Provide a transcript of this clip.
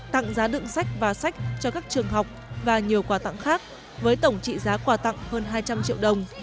tặng giá đựng sách và sách cho các trường học và nhiều quà tặng khác với tổng trị giá quà tặng hơn hai trăm linh triệu đồng